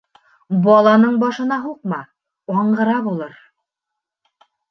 Баланың башына һуҡма: аңғыра булыр.